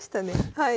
はい。